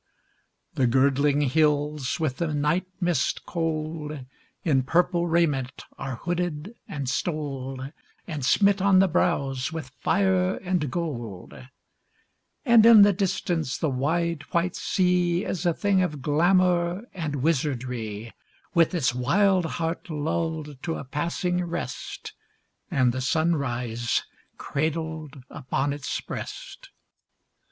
The girdling hills with the night mist cold In purple raiment are hooded and stoled And smit on the brows with fire and gold; And in the distance the wide, white sea Is a thing of glamor and wizardry, With its wild heart lulled to a passing rest, And the sunrise cradled upon its breast.